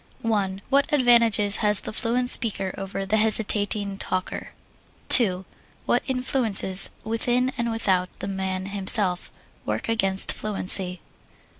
What advantages has the fluent speaker over the hesitating talker? 2. What influences, within and without the man himself, work against fluency?